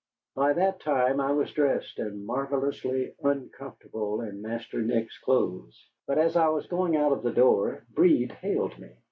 By that time I was dressed, and marvellously uncomfortable in Master Nick's clothes. But as I was going out of the door, Breed hailed me.